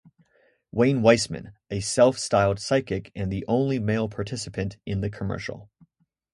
Wayne Weiseman, a self-styled psychic and the only male participant in the commercial.